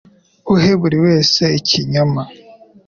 Uhe buri wese ikinyoma.